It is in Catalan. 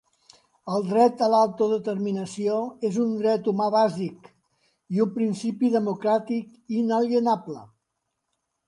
El dret a l'autodeterminació és un dret humà bàsic i un principi democràtic inalienable.